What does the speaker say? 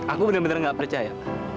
aku bener bener gak percaya